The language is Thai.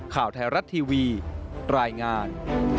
ข่าวไทยรัฐทีวีรายงาน